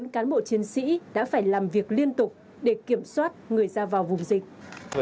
bốn cán bộ chiến sĩ đã phải làm việc liên tục để kiểm soát người ra vào vùng dịch